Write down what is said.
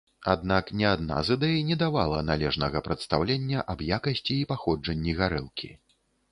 Аднак ні адна з ідэй не давала належнага прадстаўлення аб якасці і паходжанні гарэлкі.